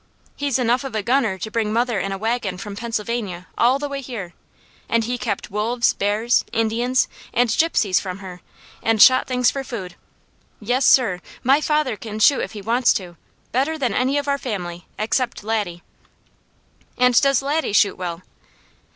"He's enough of a gunner to bring mother in a wagon from Pennsylvania all the way here, and he kept wolves, bears, Indians, and Gypsies from her, and shot things for food. Yes sir, my father can shoot if he wants to, better than any of our family except Laddie." "And does Laddie shoot well?"